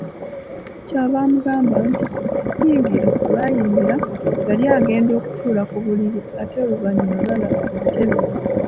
Kyava amugamba nti, “yingira.” Olwayingira, yali agenda okutuula ku buliri ate oluvannyuma n'alaba akatebe.